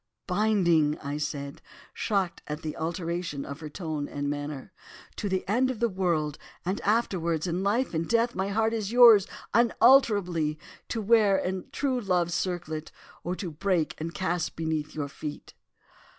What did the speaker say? "'Binding,' said I, shocked at the alteration of her tone and manner. 'To the end of the world, and afterwards, in life, in death, my heart is yours unalterably—to wear in true love's circlet or to break and cast beneath your feet.